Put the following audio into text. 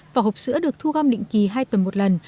vỏ hộp sữa được thu gom định kỳ hai tuần một lần